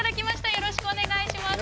よろしくお願いします。